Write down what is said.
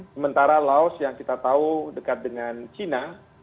sementara laos yang kita tahu dekat dengan cina